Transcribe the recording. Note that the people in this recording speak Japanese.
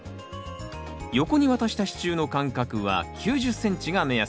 横に渡した支柱の間隔は９０ｃｍが目安。